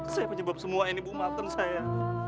saya penyebab semua ini bu malton saya